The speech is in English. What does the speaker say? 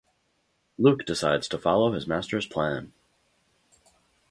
Luke decides to follow his master's plan.